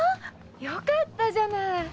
⁉よかったじゃない！